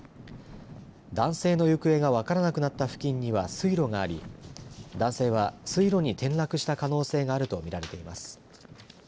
男性の行方が分からなくなった付近には水路があり男性は水路に転落した可能性があるとみられています。